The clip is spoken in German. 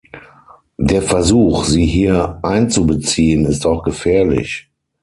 Der Versuch, sie hier einzubeziehen, ist auch gefährlich.